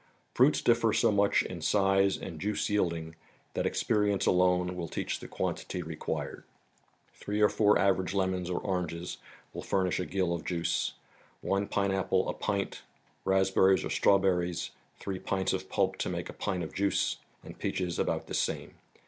Fruits differ so much in size and juice yielding that experience alone will teach the quantity required. Three or four average lemons or oranges will furnish a gill of juice ; one pine apple, a pint; raspberries or straw¬ berries, three pints of pulp to make a pint of juice ; and peaches about the same.